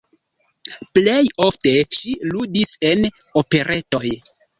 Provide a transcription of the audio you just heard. Plej ofte ŝi ludis en operetoj.